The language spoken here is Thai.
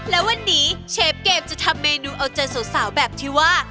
และวันนี้เชฟเกมจะทำเมนูเอาใจสาวแบบที่ว่า